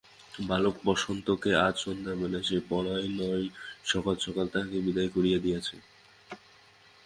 বালক বসন্তকে আজ সন্ধ্যাবেলায় সে পড়ায় নাই–সকাল সকাল তাহাকে বিদায় করিয়া দিয়াছে।